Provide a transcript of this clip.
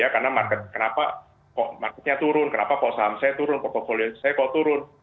karena marketnya turun kenapa kok saham saya turun kok portfolio saya turun